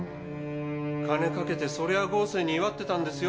金かけてそりゃ豪勢に祝ってたんですよ